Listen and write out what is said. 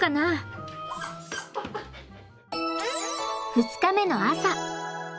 ２日目の朝。